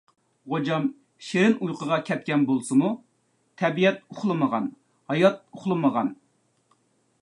غوجام شېرىن ئۇيقۇغا كەتكەن بولسىمۇ... تەبىئەت ئۇخلىمىغان، ھايات ئۇخلىمىغان،